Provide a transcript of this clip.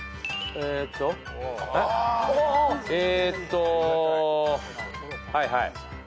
えっとはいはい。